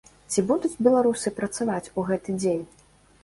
Ці будуць беларусы працаваць у гэты дзень?